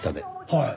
はい。